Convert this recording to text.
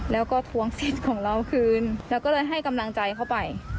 แล้วก็ทวงสิทธิ์ของเราคืนแล้วก็เลยให้กำลังใจเข้าไป